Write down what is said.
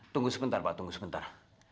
tunggu sebentar pak tunggu sebentar